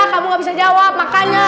kamu gak bisa jawab makanya